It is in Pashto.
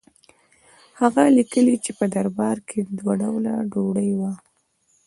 هغه لیکي چې په دربار کې دوه ډوله ډوډۍ وه.